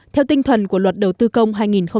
theo tinh thần của luật đầu tư công hai nghìn một mươi chín